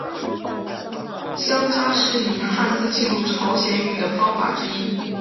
乡札是以汉字记录朝鲜语的方法之一。